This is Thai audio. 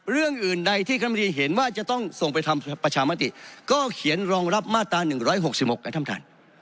เรื่องอื่นใดที่คณะมดีเห็นว่าจะต้องส่งไปทำประชามติก็เขียนรองรับมาตรา๑๖๖นะท่านท่าน